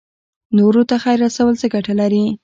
نورو ته خیر رسول څه ګټه لري؟